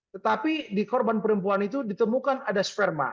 tetapi di korban perempuan itu ditemukan ada sperma